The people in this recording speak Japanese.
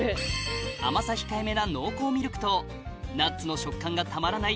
甘さ控えめな濃厚ミルクとナッツの食感がたまらない